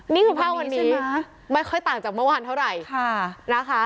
นี่คือภาพวันนี้ใช่ไหมไม่ค่อยต่างจากเมื่อวานเท่าไหร่นะคะ